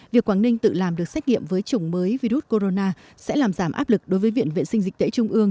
việc quảng ninh tự làm được xét nghiệm với chủng mới virus corona sẽ làm giảm áp lực đối với viện vệ sinh dịch tễ trung ương